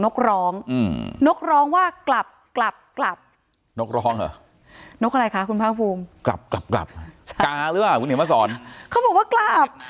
กลากฮะคุณเห็นมหาศรเขาบอกว่ากลาบ